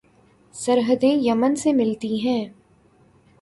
سرحدیں Yemen سے ملتی ہیں